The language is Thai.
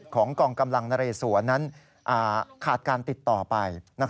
กองกำลังนเรสวนนั้นขาดการติดต่อไป